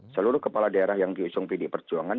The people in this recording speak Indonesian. seluruh kepala daerah yang diusung pdi perjuangan